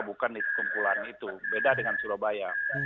bukan di kumpulan itu beda dengan surabaya